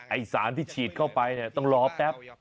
ไอ้สารที่ฉีดเข้าไปต้องรอแป๊บ